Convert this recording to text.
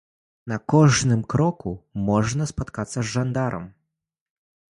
На кожным кроку можна спаткацца з жандарам.